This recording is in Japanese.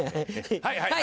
はいはい！